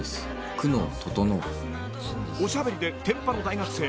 久能整」［おしゃべりで天パの大学生］